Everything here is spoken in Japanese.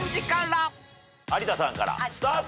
有田さんからスタート！